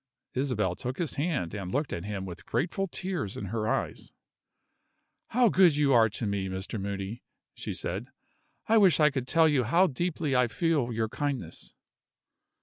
Isabel took his hand, and looked at him with grateful tears in her eyes. "How good you are to me, Mr. Moody!" she said. "I wish I could tell you how deeply I feel your kindness."